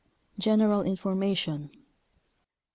General Information 1.